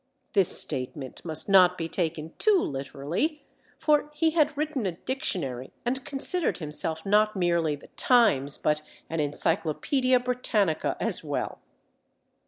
This statement must not be taken too literally, for he had written a dictionary and considered himself not merely the Times but an Encyclopædia Britannica as well.